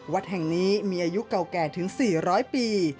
วัดแห่งนี้มีอายุเก่าแก่ถึง๔๐๐ปี